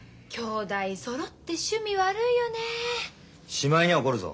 しまいには怒るぞ。